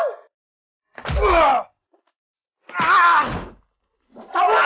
kok udah gak ada suara sih